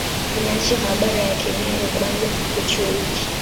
Alianzisha maabara ya kemia ya kwanza ya chuo hiki.